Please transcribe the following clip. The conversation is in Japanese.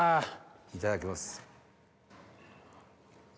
いただきます。